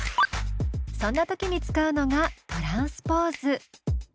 そんな時に使うのがトランスポーズ。